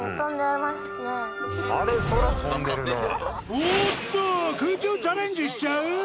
おっと空中チャレンジしちゃう？